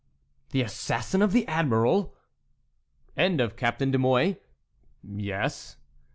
"The assassin of the admiral?" "And of Captain de Mouy." "Yes."